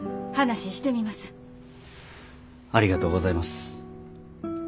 ありがとうございます。